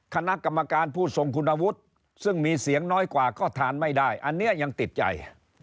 คณะกรรมการผู้ทรงคุณวุฒิซึ่งมีเสียงน้อยกว่าก็ทานไม่ได้อันนี้ยังติดใจ